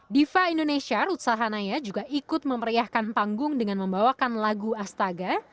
diva indonesia rutsa hanaya juga ikut memeriahkan panggung dengan membawakan lagu astaga